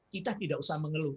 kita tidak usah mengeluh